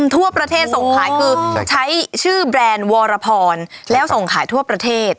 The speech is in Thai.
ทั่วประเทศส่งขายคือใช้ชื่อแบรนด์วรพรแล้วส่งขายทั่วประเทศ